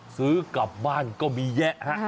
ซื้อกลับบ้านก็มีแยะฮะ